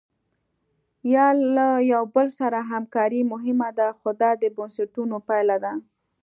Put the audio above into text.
یا له یو بل سره همکاري مهمه ده خو دا د بنسټونو پایله ده.